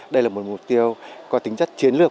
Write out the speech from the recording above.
đây là một mục tiêu có tính chất chiến lược